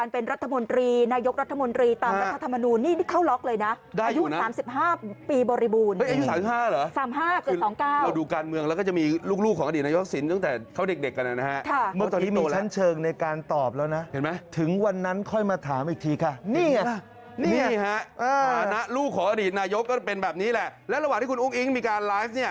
เป็นแบบนี้แหละและระหว่างที่คุณอุ้งอิงมีการไลฟ์